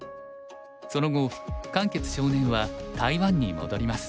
その後漢傑少年は台湾に戻ります。